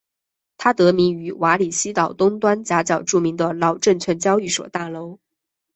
它得名于瓦西里岛东端岬角著名的老证券交易所大楼。